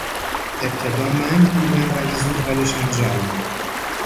ابتدا منگ بودند ولی زود حالشان جا آمد.